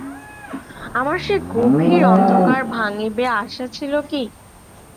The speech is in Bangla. আমার সে গভীর অন্ধকার ভাঙিবে আশা ছিল কি?